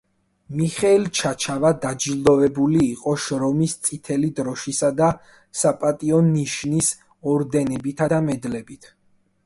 მიხეილ ჩაჩავა დაჯილდოვებული იყო შრომის წითელი დროშისა და „საპატიო ნიშნის“ ორდენებითა და მედლებით.